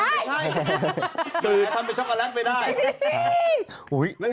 เดชะถ้าทำเป็นช็อคโกแลตไปได้